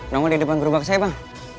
namun di depan gerobak saya bang